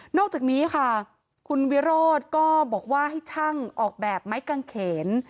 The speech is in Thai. อกจากนี้ค่ะคุณวิโรธก็บอกว่าให้ช่างออกแบบไม้กางเขน